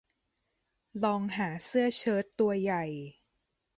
ลองหาเสื้อเชิ้ตตัวใหญ่